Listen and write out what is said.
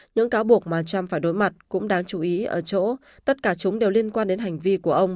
những cáo buộc mà trump phải đối mặt cũng đáng chú ý ở chỗ tất cả chúng đều liên quan đến hành vi của ông